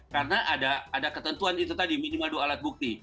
karena ada ketentuan itu tadi minimal dua alat bukti